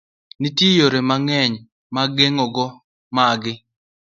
Nitie yore mang'eny mag geng'o magi.